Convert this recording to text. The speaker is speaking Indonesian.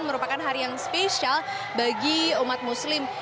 merupakan hari yang spesial bagi umat muslim